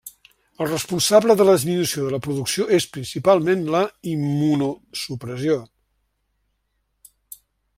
El responsable de la disminució de la producció és principalment la immunosupressió.